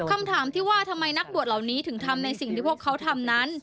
คำถามที่ว่าทำไมนักบวชเหล่านี้ถึงทำในสิ่งที่พวกเขาทำนั้น